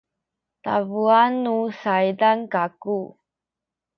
tabuan nu saydan kaku